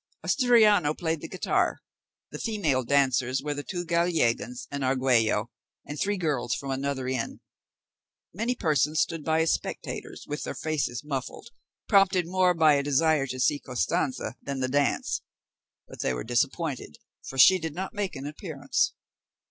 Asturiano played the guitar: the female dancers were the two Gallegans and Argüello, and three girls from another inn. Many persons stood by as spectators, with their faces muffled, prompted more by a desire to see Costanza than the dance; but they were disappointed, for she did not make her appearance.